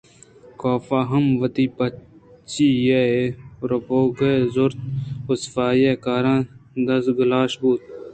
کاف ءَہم وتی پچی ایں ءِ روپگ زرت ءُصفائیءِ کاراں دزگلائش بوت